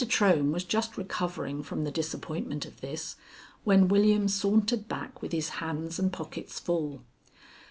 Trohm was just recovering from the disappointment of this, when William sauntered back with his hands and pockets full.